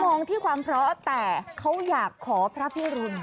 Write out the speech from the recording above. มองที่ความเพราะแต่เขาอยากขอพระพิรุณ